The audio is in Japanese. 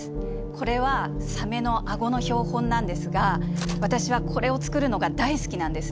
これはサメの顎の標本なんですが私はこれを作るのが大好きなんですね。